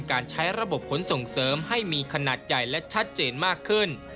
การใช้ระบบขนส่งเสริมให้มีขนาดใหญ่และชัดเจนมากขึ้น